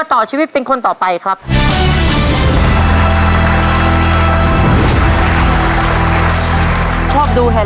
เย็นมากลุ่ม